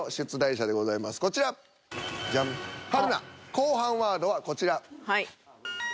後半ワードはこちら。